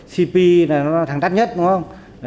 cpi là thằng đắt nhất đúng không